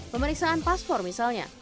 pemeriksaan paspor misalnya